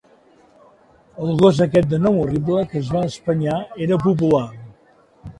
El gos aquest de nom horrible que es va espenyar era popular?